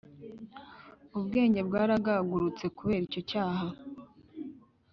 Ubwenge bwaragagurutse kubera icyo cyaha